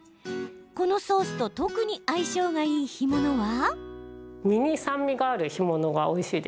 このソースと特に相性がいい干物は？